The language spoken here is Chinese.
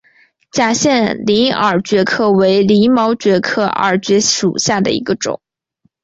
假线鳞耳蕨为鳞毛蕨科耳蕨属下的一个种。